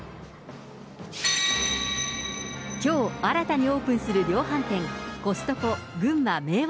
きょう新たにオープンする量販店、コストコ群馬明和